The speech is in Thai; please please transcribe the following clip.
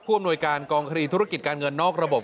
อำนวยการกองคดีธุรกิจการเงินนอกระบบ